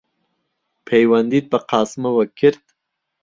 پەیوەندیت بە قاسمەوە کرد؟